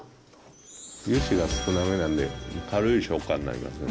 油脂が少なめなんで、軽い食感になりますね。